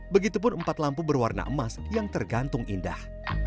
begitupun empat lampu berwarna emas yang tergantung indah